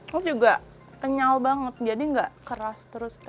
terus juga kenyal banget jadi gak keras terus